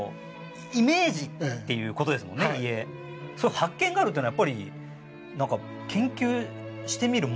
そういう発見があるっていうのはやっぱり研究してみるものですね。